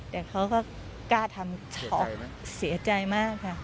แต่เขาก็กล้าทำเฉาะเสียใจมาก